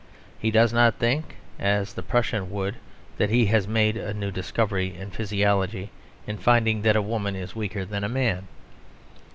He does not think, as the Prussian would, that he has made a new discovery in physiology in finding that a woman is weaker than a man.